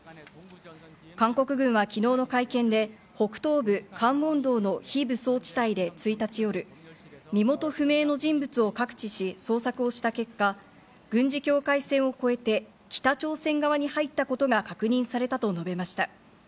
韓国軍は昨日の会見で北東部・カンウォン道の非武装地帯で１日夜、身元不明の人物を覚知し捜索をした結果、軍事境界線を越えて北朝鮮側に入ったことが確認されたと述べました。